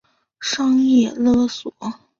商业勒索